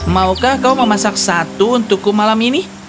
maukah kau memasak satu untukku malam ini